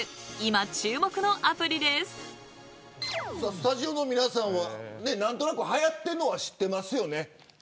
スタジオの皆さんは何となく、はやっているのは知ってますよね。